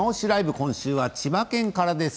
今週は千葉県からです。